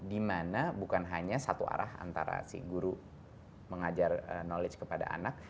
dimana bukan hanya satu arah antara si guru mengajar knowledge kepada anak